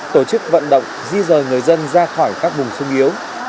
tổ chức vận động di rời người dân ra khỏi các vùng sung yếu